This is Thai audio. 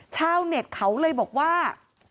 ชาวเน็ตเขาเลยบอกว่า